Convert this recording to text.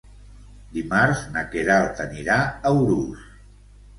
Dimarts na Queralt anirà a Urús.